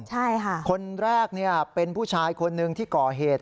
ใช่ค่ะคนแรกเนี่ยเป็นผู้ชายคนหนึ่งที่ก่อเหตุ